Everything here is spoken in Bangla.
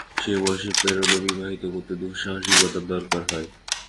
সে বয়সে পেরোলে বিবাহ করতে দুঃসাহসিকতার দরকার হয়।